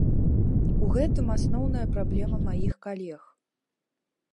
У гэтым асноўная праблема маіх калег.